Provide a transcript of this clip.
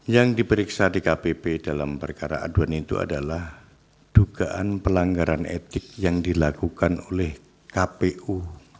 yang diperiksa di kpp dalam perkara aduan itu adalah dugaan pelanggaran etik yang dilakukan oleh kpu